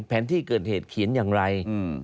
แผนที่เกิดเหตุเขียนอย่างไร